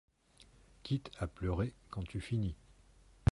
Quitte à pleurer quand tu finis.